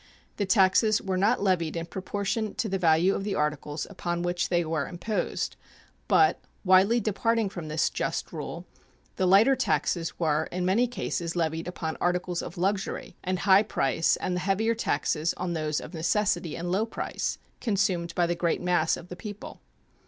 The taxes were not levied in proportion to the value of the articles upon which they were imposed, but, widely departing from this just rule, the lighter taxes were in many cases levied upon articles of luxury and high price and the heavier taxes on those of necessity and low price, consumed by the great mass of the people.